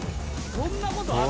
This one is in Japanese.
そんなことある？